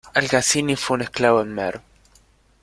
Al-Khazini fue un esclavo en Merv.